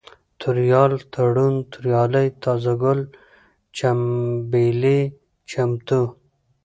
توريال ، تړون ، توريالی ، تازه گل ، چمبېلى ، چمتو